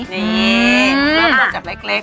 เริ่มจากเล็ก